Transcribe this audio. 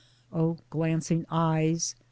O glancing eyes !